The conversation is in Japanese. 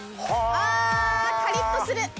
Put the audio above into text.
あカリっとする！